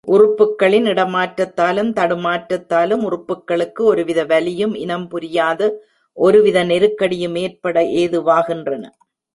உறுப்புக்களின் இடமாற்றத்தாலும், தடுமாற்றத்தாலும் உறுப்புக்களுக்கு ஒரு வித வலியும் இனம் புரியாத ஒருவித நெருக்கடியும் ஏற்பட ஏதுவாகின்றன.